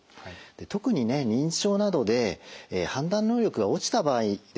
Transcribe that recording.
特に認知症などで判断能力が落ちた場合ですよね。